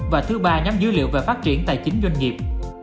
và thứ ba nhóm dữ liệu về phát triển tài chính doanh nghiệp